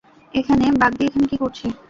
এখানে বাগদ্বি এখানে কি করছে?